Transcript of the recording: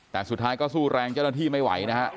แต่สุดท้ายก็สู้แรงเจ้าหน้าที่ไม่ไหวนะฮะ